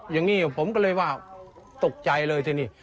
อย่างนี้ผมก็เลยว่าโตข์ใจเลยช่วยค่ะ